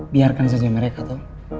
biarkan saja mereka toh